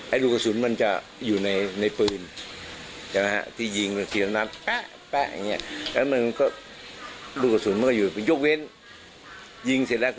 ไอ้รูกสุนมันจะอยู่ในปืน